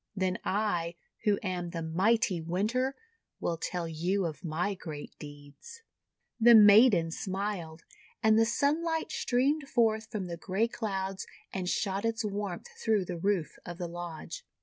Then I, who am the mighty Winter, will tell you of my great deeds." The maiden smiled, and the sunlight streamed forth from the grey clouds and shot its warmth through the roof of the lodge.